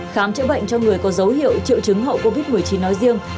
khám chữa bệnh cho người có dấu hiệu triệu chứng hậu covid một mươi chín nói riêng